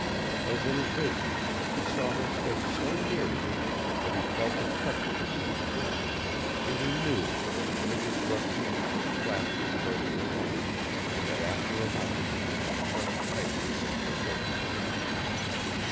As in a vision, he saw her face so near to him that he felt the touch of her sweet breath, and he knew that one of his rough hands was clasped in both of her own, and that after a moment it was crushed tightly against her bosom.